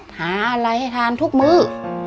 หาอะไรให้ทานทุกมื้อ